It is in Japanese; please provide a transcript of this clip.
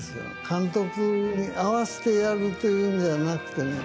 監督に合わせてやるというんではなくてね。